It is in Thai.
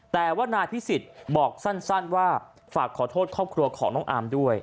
แต่ว่านายพิสิทธิ์บอกสั้นว่าฝากขอโทษครอบครัวของน้องอาร์มด้วย